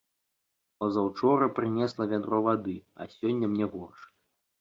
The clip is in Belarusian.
Пазаўчора прынесла вядро вады, а сёння мне горш.